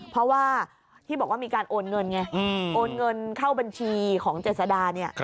เพราะว่าที่บอกว่ามีการโอนเงินไงโอนเงินเข้าบัญชีของเจษดาเนี่ย